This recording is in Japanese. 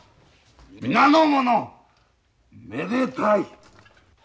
皆の者めでたい。